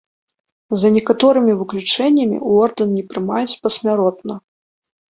За некаторымі выключэннямі, у ордэн не прымаюць пасмяротна.